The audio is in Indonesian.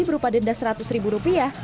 berupa denda seratus ribu rupiah